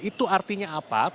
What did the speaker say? itu artinya apa